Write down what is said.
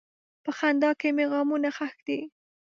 په خندا کې مې غمونه ښخ دي.